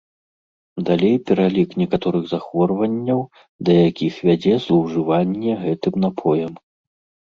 Далей пералік некаторых захворванняў, да якіх вядзе злоўжыванне гэтым напоем.